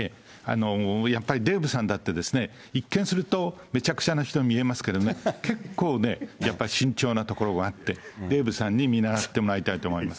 やっぱりデーブさんだって一見すると、めちゃくちゃな人に見えますけどね、結構ね、やっぱり慎重なところもあって、デーブさんに見習ってもらいたいと思います。